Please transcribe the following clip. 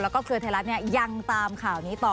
และก็คือเทราะสิตตามข่าวนี้ต่อ